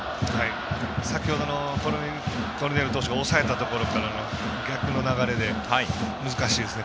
先ほどのコルニエル投手を抑えたところからの逆の流れで、難しいですね